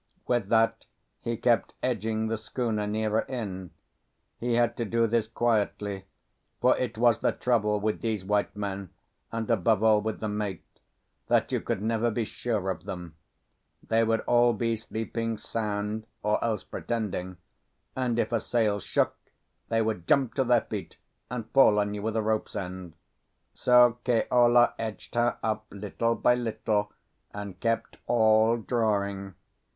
With that he kept edging the schooner nearer in. He had to do this quietly, for it was the trouble with these white men, and above all with the mate, that you could never be sure of them; they would all be sleeping sound, or else pretending, and if a sail shook, they would jump to their feet and fall on you with a rope's end. So Keola edged her up little by little, and kept all drawing.